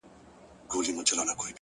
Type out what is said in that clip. نن د پايزېب په شرنگهار راته خبري کوه;